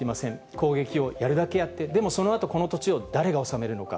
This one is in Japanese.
攻撃をやるだけやって、でもそのあと、この土地を誰が治めるのか。